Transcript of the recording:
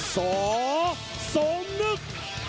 สอสมนุก